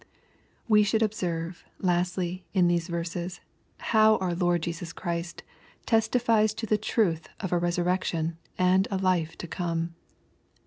I We should observe, lastly, in these verses, how our Lord Jesus Christ testifies to the truth of a resurrectiorij and a life to come.